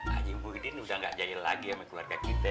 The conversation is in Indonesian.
haji muhyiddin udah nggak jahil lagi sama keluarga kita